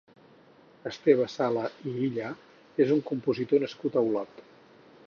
Esteve Sala i Illa és un compositor nascut a Olot.